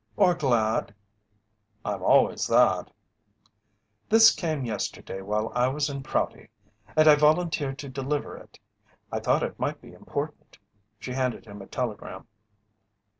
"Or glad?" "I'm always that." "This came yesterday while I was in Prouty, and I volunteered to deliver it. I thought it might be important." She handed him a telegram.